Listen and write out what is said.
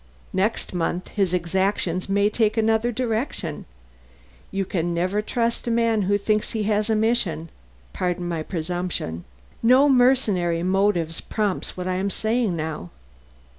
"Next month his exactions may take another direction. You can never trust a man who thinks he has a mission. Pardon my presumption. No mercenary motive prompts what I am saying now."